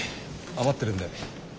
余ってるんで。